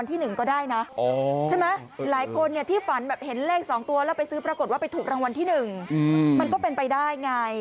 มีความหวังมากน้อยแค่ไหนคะรอบนี้